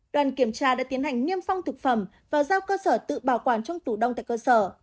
đoàn kiểm tra đã tiến hành niêm phong thực phẩm và giao cơ sở tự bảo quản trong tủ đông tại cơ sở